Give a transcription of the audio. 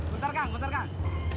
bentar kang bentar kang